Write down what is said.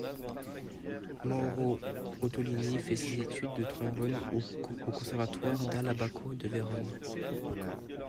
Mauro Ottolini fait ses études de trombone au conservatoire Dall'Abaco de Vérone.